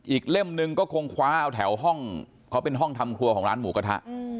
เล่มนึงก็คงคว้าเอาแถวห้องเขาเป็นห้องทำครัวของร้านหมูกระทะ